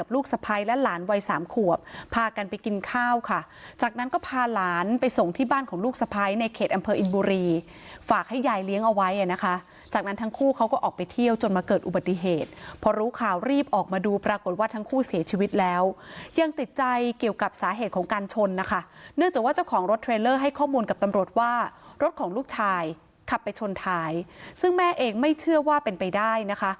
ลูกสะพายและหลานวัยสามขวบพากันไปกินข้าวค่ะจากนั้นก็พาหลานไปส่งที่บ้านของลูกสะพายในเขตอำเภออินบุรีฝากให้ยายเลี้ยงเอาไว้อ่ะนะคะจากนั้นทั้งคู่เขาก็ออกไปเที่ยวจนมาเกิดอุบัติเหตุพอรู้ข่าวรีบออกมาดูปรากฏว่าทั้งคู่เสียชีวิตแล้วยังติดใจเกี่ยวกับสาเหตุของการชนนะคะเนื่องจากว่าเจ้าข